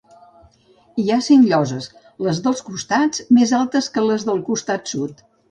Hi ha cinc lloses, les dels costats més altes que les del costat sud.